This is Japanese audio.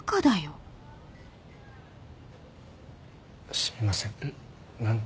すみません何て？